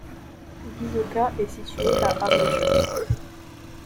Visoka est située à d'Arilje.